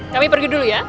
kami pergi dulu ya